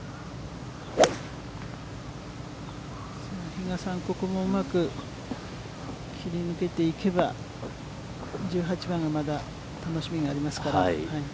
比嘉さん、ここもうまく切り抜けていけば、１８番がまだ楽しみがありますから。